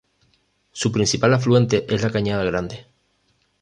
Su principal afluente es la Cañada Grande.